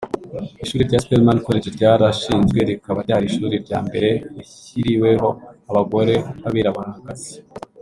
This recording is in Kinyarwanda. Ishuri rya Spelman College ryarashinzwe rikaba ryari ishuri rya mbere rishyiriweho abagore b’abiraburakazi